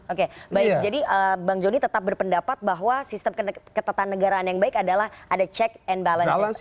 oke baik jadi bang joni tetap berpendapat bahwa sistem ketatanegaraan yang baik adalah ada check and balance